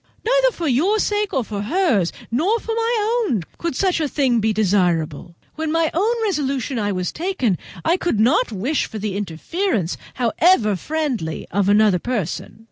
Neither for your sake nor for hers, nor for my own, could such a thing be desirable. When my own resolution was taken I could not wish for the interference, however friendly, of another person.